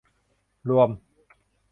รวม